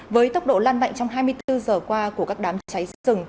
với tốc độ lan mạnh trong hai mươi bốn giờ qua của các đám cháy rừng